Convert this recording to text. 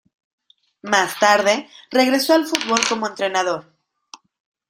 Más tarde regresó al fútbol como entrenador.